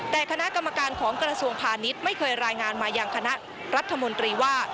แต่คณะกรรมการของกระทรวงพาณิชย์ไม่เคยรายงานมาอย่างคณะรัฐมนตรีว่า